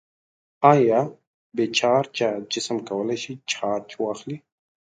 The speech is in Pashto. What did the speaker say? آیا بې چارجه جسم کولی شي چارج واخلي؟